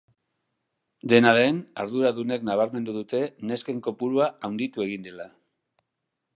Dena den, arduradunek nabarmendu dute nesken kopurua handitu egin dela.